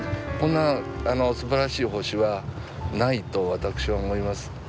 こんなすばらしい星はないと私は思います。